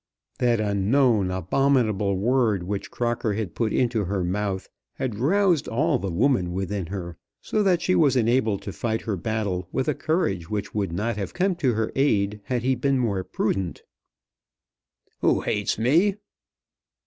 That unknown abominable word which Crocker had put into her mouth had roused all the woman within her, so that she was enabled to fight her battle with a courage which would not have come to her aid had he been more prudent. "Who hates me?"